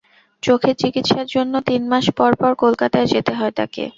চোখের চিকিৎসার জন্য তিন মাস পর পর কলকাতায় যেতে হয় তাঁকে।